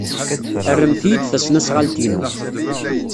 Rremt-iyi-d tasnasɣalt-inu.